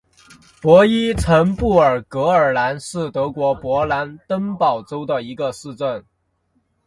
博伊岑布尔格尔兰是德国勃兰登堡州的一个市镇。